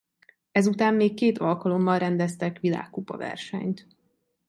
Ezután még két alkalommal rendeztek világkupa versenyt.